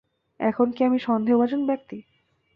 এখন কি আমি সন্দেহভাজন ব্যক্তি?